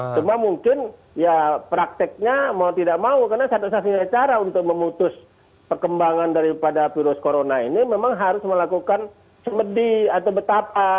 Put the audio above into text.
cuma mungkin ya prakteknya mau tidak mau karena satu satunya cara untuk memutus perkembangan daripada virus corona ini memang harus melakukan semedi atau betapa